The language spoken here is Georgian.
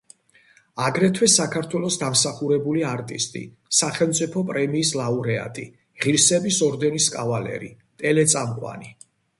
აგრეთვე საქართველოს დამსახურებული არტისტი, სახელმწიფო პრემიის ლაურეატი, ღირსების ორდენის კავალერი, ტელეწამყვანი.